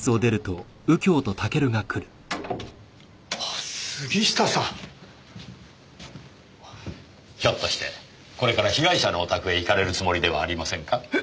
あ杉下さん！ひょっとしてこれから被害者のお宅へ行かれるつもりではありませんか？え？